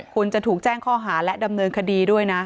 คุณจะถูกแจ้งข้อหาและดำเนินคดีด้วยนะ